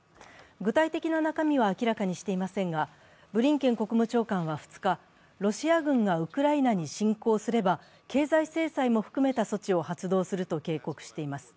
具体的な中身は明らかにしていませんが、ブリンケン国務長官は２日、ロシア軍がウクライナに侵攻すれば経済制裁も含めた措置を発動すると警告しています。